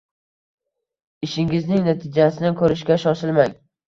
Ishingizning natijasini ko’rishga shoshilmang.